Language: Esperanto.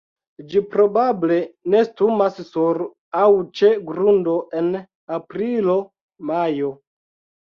Ĝi probable nestumas sur aŭ ĉe grundo en aprilo-majo.